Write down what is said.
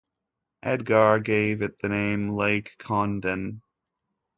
Edgar gave it the name Lake Condon.